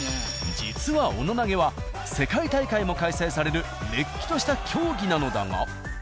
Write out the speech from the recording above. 実は斧投げは世界大会も開催されるれっきとした競技なのだが。